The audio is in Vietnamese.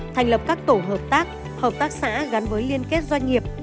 thành lập các tổ hợp tác hợp tác xã gắn với liên kết doanh nghiệp